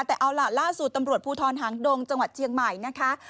แต่เอาล่ะล่าสุดตำรวจภูทรหางดงจังหวัดเชียงใหม่นะคะ